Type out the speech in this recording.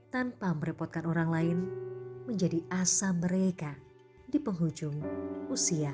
tanpa merepotkan orang lain menjadi asa mereka di penghujung usia